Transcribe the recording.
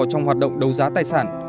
trong hoạt động đấu giá tài sản